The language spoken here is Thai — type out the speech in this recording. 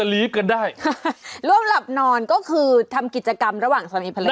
ร่วมหลับนอนก็คือทำกิจกรรมระหว่างสามีภรรยา